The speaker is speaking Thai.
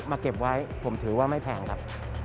เก็บไว้ผมถือว่าไม่แพงครับ